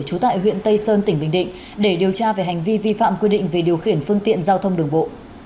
trú tại huyện tây sơn tỉnh bình định để điều tra về hành vi vi phạm quy định về điều khiển phương tiện giao thông đường bộ